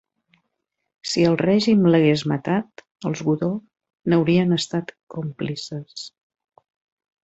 Si el règim l'hagués matat, els Godó n'haurien estat còmplices.